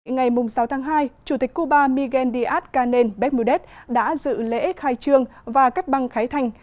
ngày sáu tháng hai chủ tịch cuba miguel díaz canel bermudez đã dự lễ khai trương và các băng khái thành